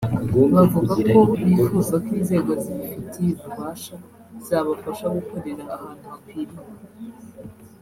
Bavuga ko bifuza ko inzego zibifitiye ububasha zabafasha gukorera ahantu hakwiriye